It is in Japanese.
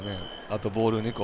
あとボール２個。